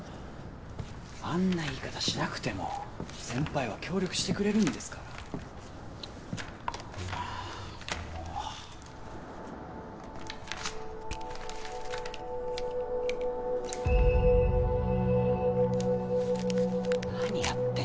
あんな言い方しなくても先輩は協力してくれるんですからあっ